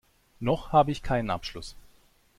Noch habe ich keinen Abschluss.